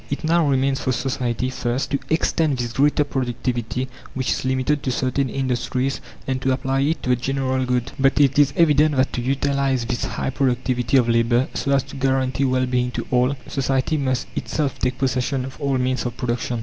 It now remains for society, first, to extend this greater productivity, which is limited to certain industries, and to apply it to the general good. But it is evident that to utilize this high productivity of labour, so as to guarantee well being to all, Society must itself take possession of all means of production.